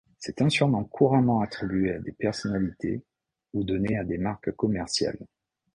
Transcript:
C'est un surnom couramment attribué à des personnalités ou donné à des marques commerciales.